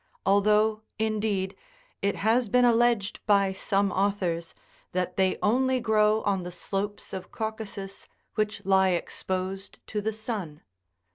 although, indeed, it has been alleged by some authors that they only grow on the slopes of Caucasus which lie exposed to the sun.